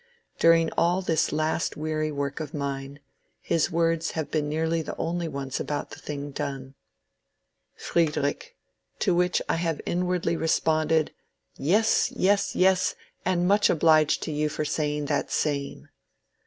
During all this last weary work of mine, his words have been nearly the only ones about the thing done —" Friedrich "— to which I have inwardly responded, ^^Yes^ yes, yes, and much obliged to you for say ing that same!"